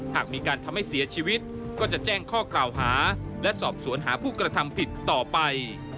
หากมีการทำให้เสียชีวิตก็จะแจ้งข้อกล่าวหาและสอบสวนหาผู้กระทำผิดต่อไป